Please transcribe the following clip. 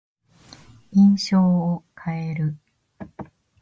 印象を変える。